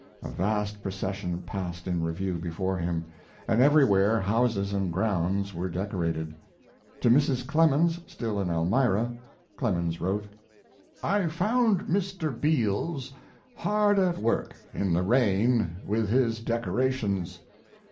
A vast procession passed in review before him, and everywhere houses and grounds were decorated. To Mrs. Clemens, still in Elmira, Clemens wrote: I found Mr. Beals hard at work in the rain with his decorations.